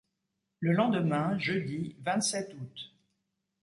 Le lendemain, jeudi, vingt-sept août